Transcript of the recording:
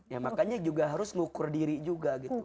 ya makanya juga harus ngukur diri juga gitu